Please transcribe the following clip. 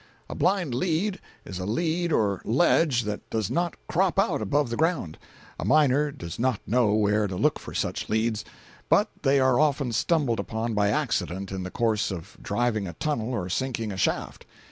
A "blind lead" is a lead or ledge that does not "crop out" above the surface. A miner does not know where to look for such leads, but they are often stumbled upon by accident in the course of driving a tunnel or sinking a shaft.